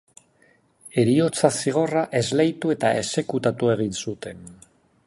Heriotza zigorra esleitu eta exekutatu egin zuten.